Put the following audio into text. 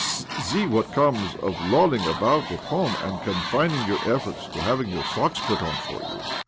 " See what comes of lolling about at home and confining your efforts to having your^ socks put on for you."